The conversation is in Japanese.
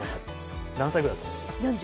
何歳ぐらいだと思います？